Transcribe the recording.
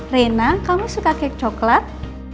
rena kamu suka cake coklat